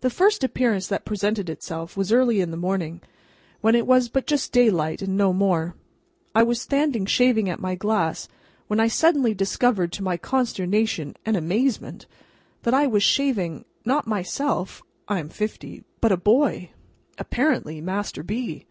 The first appearance that presented itself was early in the morning when it was but just daylight and no more. I was standing shaving at my glass, when I suddenly discovered, to my consternation and amazement, that I was shaving—not myself—I am fifty—but a boy. Apparently Master B.!